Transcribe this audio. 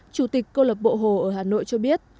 chủ tịch cơ lập bộ hồ ở hà nội cho biết